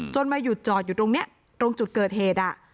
มาหยุดจอดอยู่ตรงนี้ตรงจุดเกิดเหตุ